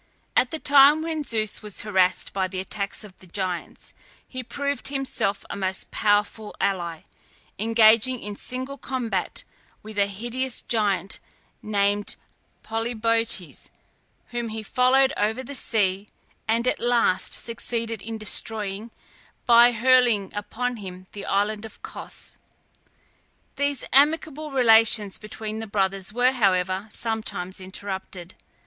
At the time when Zeus was harassed by the attacks of the Giants, he proved himself a most powerful ally, engaging in single combat with a hideous giant named Polybotes, whom he followed over the sea, and at last succeeded in destroying, by hurling upon him the island of Cos. These amicable relations between the brothers were, however, sometimes interrupted.